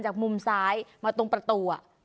จากมุมซ้ายมาตรงประตูอ่ะ